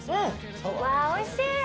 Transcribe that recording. うわー、おいしい。